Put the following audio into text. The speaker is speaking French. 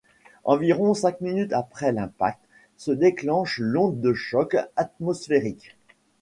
Environ cinq minutes après l’impact se déclenche l’onde de choc atmosphérique.